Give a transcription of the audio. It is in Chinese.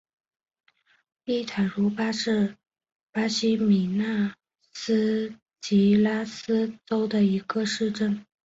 伊塔茹巴是巴西米纳斯吉拉斯州的一个市镇。